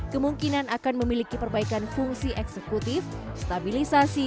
kemungkinan akan memiliki perbaikan fungsi eksekutif stabilisasi